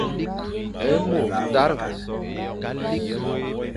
Ê mo tare.